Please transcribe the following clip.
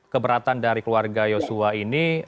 keberatan dari keluarga yosua ini